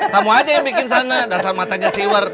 kamu aja yang bikin sana dasar matanya siwer